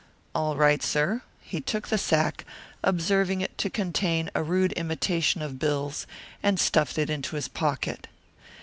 "All right, sir." He took the sack, observing it to contain a rude imitation of bills, and stuffed it into his pocket.